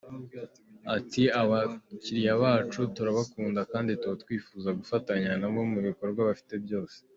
Ati “Abakiliya bacu turabakunda, kandi tuba twifuza gufatanya na bo mu bikorwa bafite byose.